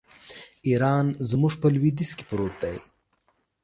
ایران زموږ په لوېدیځ کې پروت دی.